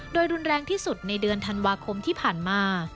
โดยรุนแรงที่สุดในเดือนธันวาคมที่ผ่านมา